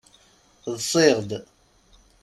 Ḍṣiɣd.